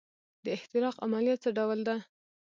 د احتراق عملیه څه ډول ده.